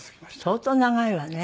相当長いわね。